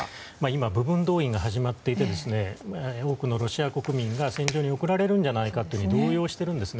今、部分動員が始まっていて、多くの国民が戦場に送られるんじゃないかと動揺しています。